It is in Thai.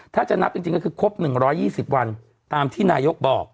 ถ้าจะนับจริงก็คือครบ๑๒๐วันตามที่นายกบอก